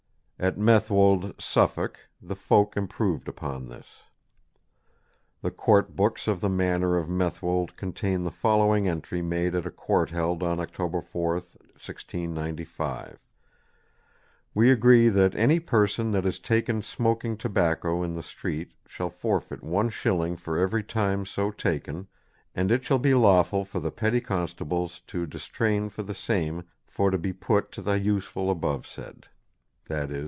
At Methwold, Suffolk, the folk improved upon this. The court books of the manor of Methwold contain the following entry made at a court held on October 4, 1695: "We agree that any person that is taken smoakeinge tobacco in the street shall forfitt one shillinge for every time so taken, and itt shall be lawfull for the petty constabbles to distrane for the same for to be putt to the uses abovesaid [_i.e.